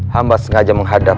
hamba sengaja menghadap